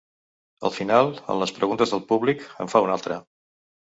Al final, en les preguntes del públic, en fa una altra.